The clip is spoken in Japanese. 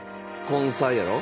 根菜やろ。